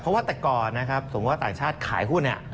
เพราะว่าแต่ก่อนนะครับสมมุติว่าต่างชาติขายหุ้น